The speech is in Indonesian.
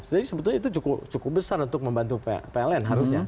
jadi sebetulnya itu cukup besar untuk membantu pln harusnya